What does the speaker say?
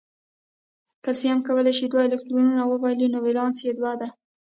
کلسیم کولای شي دوه الکترونونه وبایلي نو ولانس یې دوه دی.